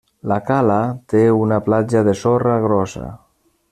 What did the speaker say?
La cala té una platja de sorra grossa.